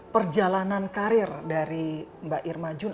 perjalanan karir dari mbak irma jun